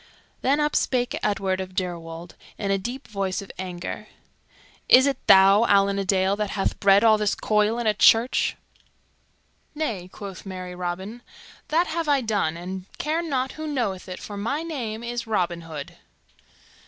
Then up spake Edward of Deirwold in a deep voice of anger, "Is it thou, Allan a Dale, that hath bred all this coil in a church?" "Nay," quoth merry Robin, "that have I done, and I care not who knoweth it, for my name is Robin Hood."